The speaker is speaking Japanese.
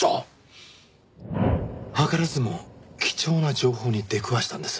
図らずも貴重な情報に出くわしたんです。